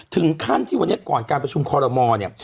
ถึงขั้นที่วันนี้ก่อนการประชุมคอรมอลเนี่ย